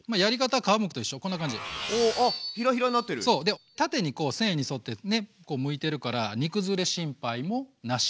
で縦にこう繊維に沿ってねこうむいてるから煮くずれ心配もなし。